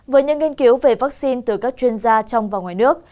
với những nghiên cứu về vaccine từ các chuyên gia trong và ngoài nước